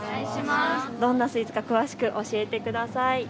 どんなスイーツか詳しく教えてください。